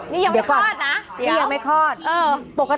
นี่ยังไม่คลอดนะ